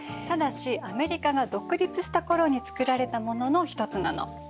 ただしアメリカが独立した頃に作られたものの一つなの。